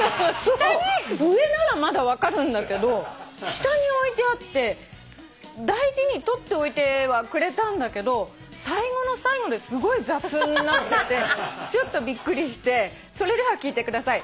上ならまだ分かるんだけど下に置いてあって大事に取っといてはくれたんだけど最後の最後ですごい雑になっててちょっとびっくりしてそれでは聴いてください。